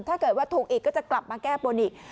ถ้าเกิดว่าถูกอีกก็จะกลับมาแก้บนอีก